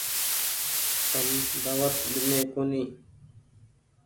تم دآوت ڏيني ڪونيٚ ۔